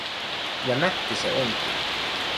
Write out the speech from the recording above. Ja nätti se onkin.